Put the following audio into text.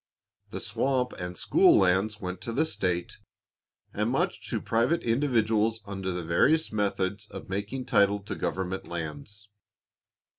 The swamp and school lands went to the state, and much to private individuals under the various methods of making title to government lands.